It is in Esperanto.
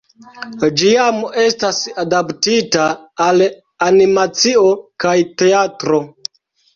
Ĝi jam estas adaptita al animacio kaj teatro.